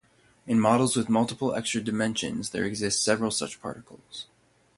In models with multiple extra dimensions, there exist several such particles.